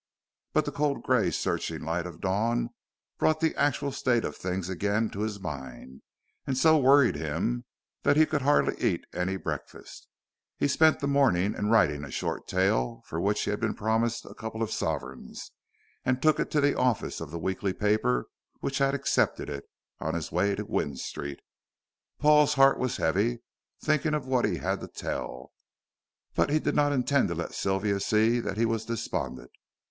But the cold grey searching light of dawn brought the actual state of things again to his mind and so worried him that he could hardly eat any breakfast. He spent the morning in writing a short tale, for which he had been promised a couple of sovereigns, and took it to the office of the weekly paper which had accepted it, on his way to Gwynne Street. Paul's heart was heavy, thinking of what he had to tell, but he did not intend to let Sylvia see that he was despondent.